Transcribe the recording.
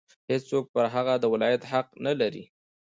هېڅوک پر هغه د ولایت حق نه لري.